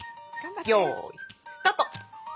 よいスタート！